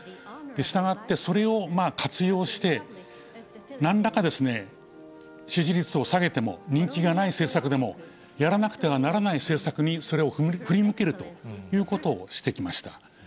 したがって、それを活用して、なんらか支持率を下げても、人気がない政策でも、やらなくてはならない政策にそれを振り向けるということをしてきました。